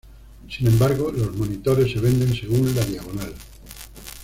Sin embargo los monitores se venden según la diagonal.